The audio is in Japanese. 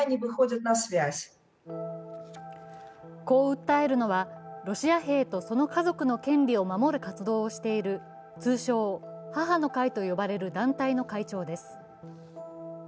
こう訴えるのは、ロシア兵とその家族の権利を守る活動をしている通称・母の会と呼ばれる団体の会長です。